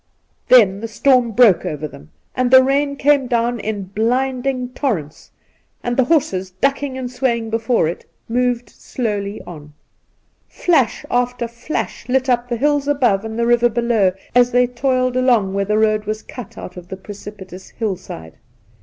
Then the storm broke over them, and the rain came down in blinding torrents, and the horses, ducking and swaying before it, moved slowly on. Flash after flash lit up the hills above and the river below as they toiled along where the road was cut out of the precipitous hillside.